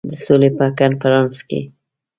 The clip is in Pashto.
د سولي په کنفرانس کې.